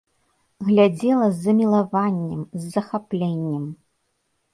Глядзела з замілаваннем, з захапленнем.